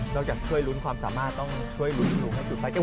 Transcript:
นอกจากช่วยลุ้นความสามารถต้องช่วยลุ้นคุณลุงให้จุดไฟ